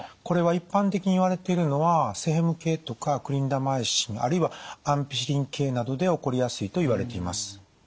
これは一般的にいわれているのはセフェム系とかクリンダマイシンあるいはアンピシリン系などで起こりやすいといわれています。